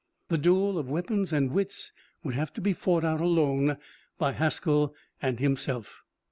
The duel of weapons and wits would have to be fought out alone by Haskell and himself.